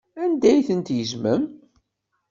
Anda ay ten-tgezmem?